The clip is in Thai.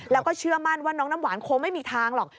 แล้วก็เชื่อมั่นว่าน้องน้ำหวานคงไม่มีทางหรอก